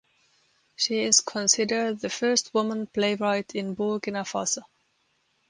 She is considered the first woman playwright in Burkina Faso.